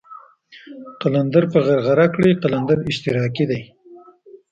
قلندر په غرغره کړئ قلندر اشتراکي دی.